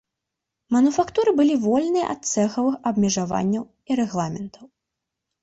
Мануфактуры былі вольныя ад цэхавых абмежаванняў і рэгламентаў.